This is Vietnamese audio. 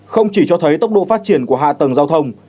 không chỉ cho thấy tốc độ phát triển của hạ tầng giao thông